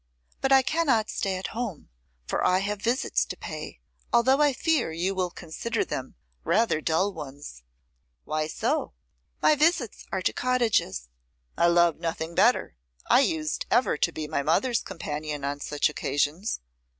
But I cannot stay at home, for I have visits to pay, although I fear you will consider them rather dull ones.' 'Why so?' 'My visits are to cottages.' 'I love nothing better. I used ever to be my mother's companion on such occasions.